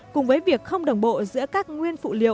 cùng với việc không đồng bộ giữa các nguyên phụ liệu